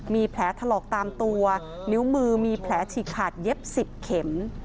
มีแผลถลอกตามตัวนิ้วมือมีแผลฉีกขาดเย็บ๑๐เข็ม